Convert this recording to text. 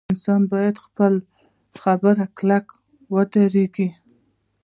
انسان باید په خپله خبره کلک ودریږي.